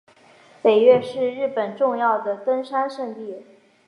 北岳是日本重要的登山圣地。